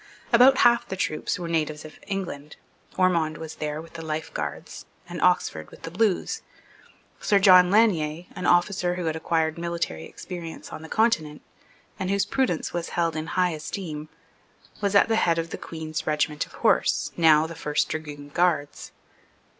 About half the troops were natives of England. Ormond was there with the Life Guards, and Oxford with the Blues. Sir John Lanier, an officer who had acquired military experience on the Continent, and whose prudence was held in high esteem, was at the head of the Queen's regiment of horse, now the First Dragoon Guards.